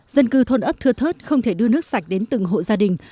dân cư thôn ấp thưa thớt không thể đưa nước sạch đến từng hộ gia đình